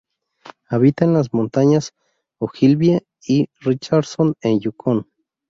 Habita en las montañas Ogilvie y Richardson en Yukón.